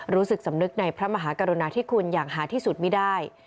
รู้สึกสำนึกในพระมหากรุณาธิคุณอย่างหาที่สุดไม่ได้